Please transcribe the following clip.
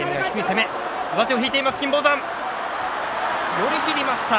寄り切りました。